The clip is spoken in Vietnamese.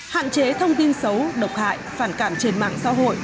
hạn chế thông tin xấu độc hại phản cảm trên mạng